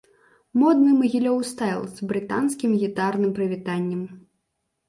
Модны магілёў-стайл з брытанскім гітарным прывітаннем!